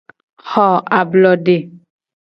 Xo ablode.